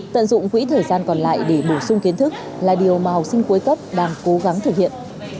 tận dụng quỹ thời gian còn lại để bổ sung kiến thức là điều mà học sinh cuối cấp đang cố gắng thực hiện